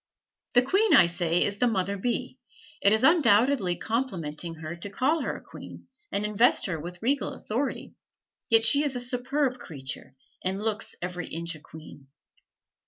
The queen, I say, is the mother bee; it is undoubtedly complimenting her to call her a queen and invest her with regal authority, yet she is a superb creature, and looks every inch a queen.